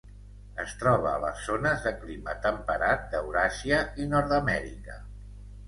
Es troba a les zones de clima temperat d'Euràsia i Nord-amèrica.